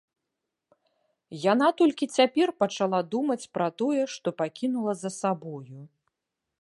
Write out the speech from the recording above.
Яна толькі цяпер пачала думаць пра тое, што пакінула за сабою.